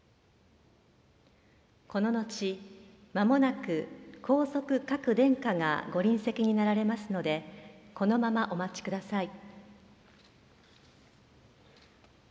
こののち、まもなく皇族各殿下がご臨席になられますので、このままお待ちください。